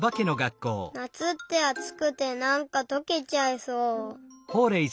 なつってあつくてなんかとけちゃいそう。